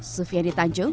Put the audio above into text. sufian di tanjung